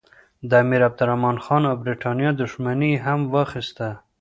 د امیرعبدالرحمن خان او برټانیې دښمني یې هم واخیسته.